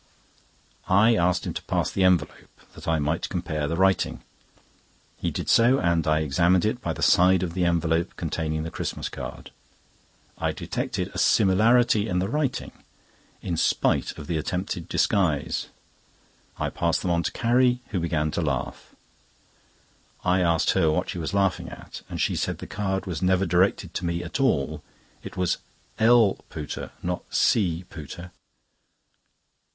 I asked him to pass the envelope, that I might compare the writing. He did so, and I examined it by the side of the envelope containing the Christmas card. I detected a similarity in the writing, in spite of the attempted disguise. I passed them on to Carrie, who began to laugh. I asked her what she was laughing at, and she said the card was never directed to me at all. It was "L. Pooter," not "C. Pooter."